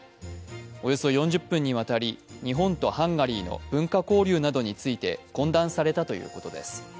およそ４０分にわたり日本とハンガリーの文化交流などについて懇談されたということです。